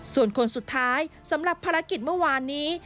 ส่วนคนสุดท้ายสำหรับภารกิจเมื่อวานนี้